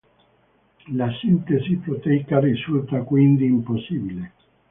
La sintesi proteica risulta quindi impossibile.